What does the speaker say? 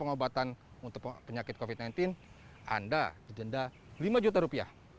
jika anda tidak mengenakan masker maka anda akan didenda rp lima